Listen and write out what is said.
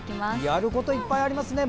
やることいっぱいありますね。